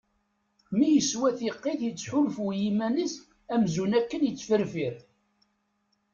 Mi yeswa tiqit yettḥulfu i yiman-is amzun akken yettferfir.